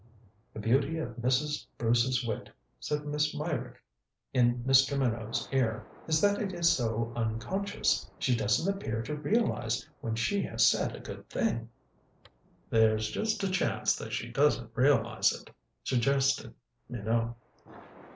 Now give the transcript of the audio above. "The beauty of Mrs. Bruce's wit," said Miss Meyrick in Mr. Minot's ear, "is that it is so unconscious. She doesn't appear to realize when she has said a good thing." "There's just a chance that she doesn't realize it," suggested Minot.